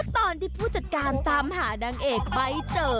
ที่ผู้จัดการตามหาดังเอกใบ้เจอ